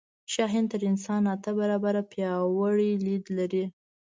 شاهین تر انسان اته برابره پیاوړی لید لري